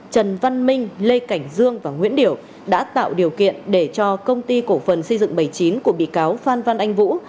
trần văn minh lê cảnh dương và nguyễn điểu đã tạo điều kiện để cho công ty cổ phần xây dựng bảy mươi chín của bị cáo phan văn anh vũ